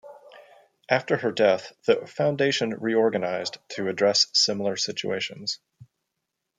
After her death, the foundation reorganized to address similar situations.